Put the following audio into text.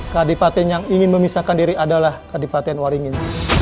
kadipaten yang ingin memisahkan diri adalah kadipaten waringin